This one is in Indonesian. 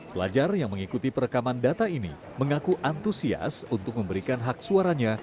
pelajar yang mengikuti perekaman data ini mengaku antusias untuk memberikan hak suaranya